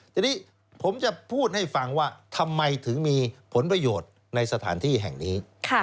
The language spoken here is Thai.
ทีนี้ผมจะพูดให้ฟังว่าทำไมถึงมีผลประโยชน์ในสถานที่แห่งนี้